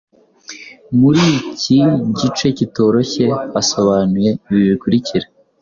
Muri iki gice kitoroshye hasobanuwe ibi bikurikira